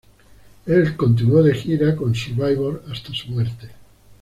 Él continuó de gira con Survivor hasta su muerte.